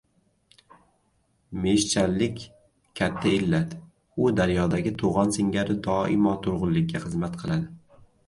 Meshchanlik — katta illat, u daryodagi to‘g‘on singari doimo turg‘unlikka xizmat qiladi.